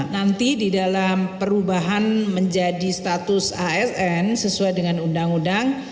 nanti di dalam perubahan menjadi status asn sesuai dengan undang undang